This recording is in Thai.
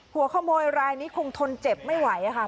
หัวขโมยรายนี้คงทนเจ็บไม่ไหวค่ะ